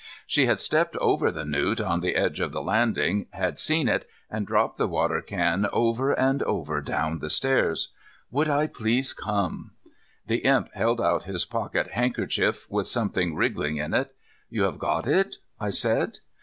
She had stepped over the newt on the edge of the landing, had seen it, and dropped the water can over and over down the stairs. Would I please come? The Imp held out his pocket handkerchief with something wriggling in it. "You have got it?" I said.